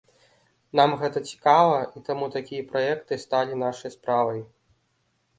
Нам гэта цікава, і таму такія праекты сталі нашай справай.